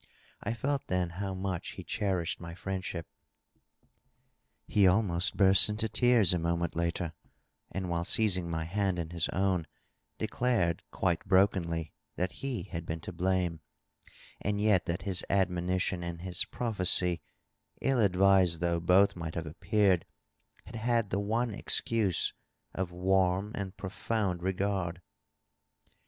I felt then how much he cherished my friendship. He aknost burst into tears a moment later, and while seizing my hand in his own declared quite brokenly that he had been to blame, and yet iliat his admonition and his prophecy, ill advised though both might have ap peared, had had the one excuse of warm and profound regard.